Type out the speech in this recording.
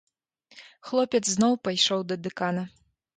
Хлопец зноў пайшоў да дэкана.